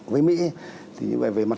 với mỹ thì về mặt